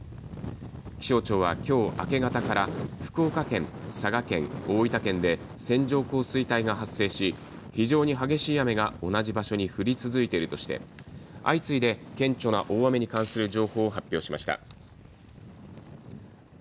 気象庁はきょう明け方から福岡県、佐賀県、大分県で線状降水帯が発生し非常に激しい雨が同じ場所に降り続いているとして相次いで顕著な大雨に関する情報を発表しました。